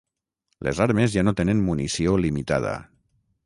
Les armes ja no tenen munició limitada.